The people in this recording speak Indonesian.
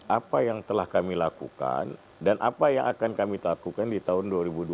apa yang telah kami lakukan dan apa yang akan kami lakukan di tahun dua ribu dua puluh